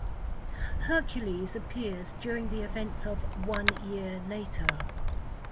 Hercules appears during the events of "One Year Later".